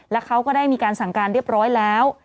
และเขาก็ได้มีการสั่งการเรียบร้อยแล้ว